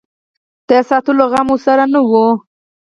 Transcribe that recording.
د ساتلو غم ورسره نه وي.